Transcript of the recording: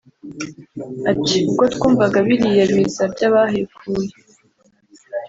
Ati “Ubwo twumvaga biriya biza byabahekuye